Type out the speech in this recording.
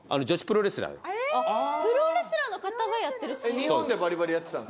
プロレスラーの方がやってるＣＭ。